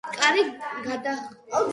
კარი გადახურულია ქვის დიდი ლოდით.